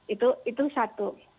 itu itu satu